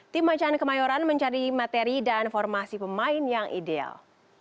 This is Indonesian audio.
tim macan kemayoran mencari materi dan formasi pemain yang ideal